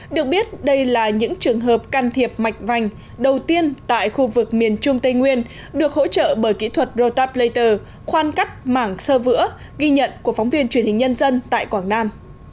được biết đây là những trường hợp can thiệp mạch vành đầu tiên tại khu vực miền trung tây nguyên được hỗ trợ bởi kỹ thuật rotap later khoan cắt mảng sơ vữa ghi nhận của phóng viên truyền hình nhân dân tại quảng nam